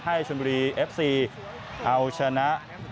ให้ฌุนบุรีอฟซีเอาชนะ